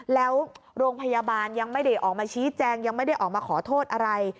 แล้วโรงพยาบาลยังไม่ได้ออกมาชี้แจงยังไม่ได้ออกมาขอโทษอะไร